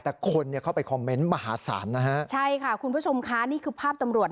แต่คนเนี่ยเข้าไปคอมเมนต์มหาศาลนะฮะใช่ค่ะคุณผู้ชมค่ะนี่คือภาพตำรวจ